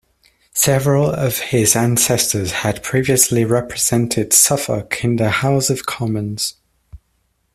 Several of his ancestors had previously represented Suffolk in the House of Commons.